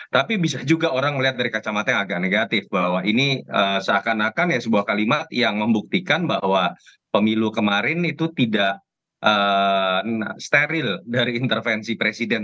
tapi bisa juga orang melihat dari kacamata yang agak negatif bahwa ini seakan akan ya sebuah kalimat yang membuktikan bahwa pemilu kemarin itu tidak steril dari intervensi presiden